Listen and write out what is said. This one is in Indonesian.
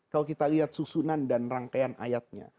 kalau kita lihat susunan dan rangkaian ayatnya